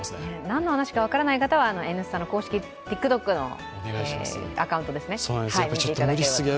何の話か分からない方は「Ｎスタ」の公式ＴｉｋＴｏｋのアカウントを見ていただければ。